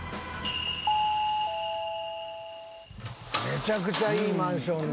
めちゃくちゃいいマンションだ。